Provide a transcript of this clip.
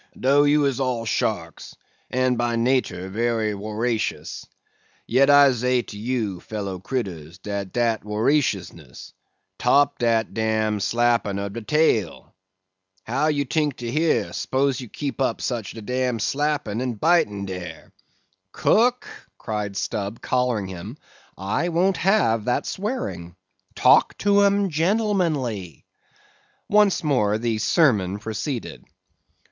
"Do you is all sharks, and by natur wery woracious, yet I zay to you, fellow critters, dat dat woraciousness—'top dat dam slappin' ob de tail! How you tink to hear, spose you keep up such a dam slappin' and bitin' dare?" "Cook," cried Stubb, collaring him, "I won't have that swearing. Talk to 'em gentlemanly." Once more the sermon proceeded.